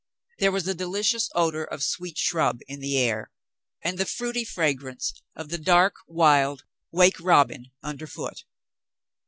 There was a delicious odor of sweet shrub in the air, and the fruity fragrance of the dark, wild wake robin underfoot.